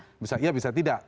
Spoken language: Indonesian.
ya bisa iya bisa tidak